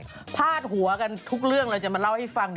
วันนี้เราพาดหัวกันทุกเรื่องเราจะมาเล่าให้ฟัง